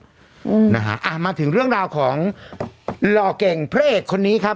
อืมนะฮะอ่ามาถึงเรื่องราวของหล่อเก่งพระเอกคนนี้ครับ